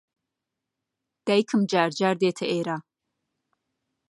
دایکم جار جار دێتە ئێرە.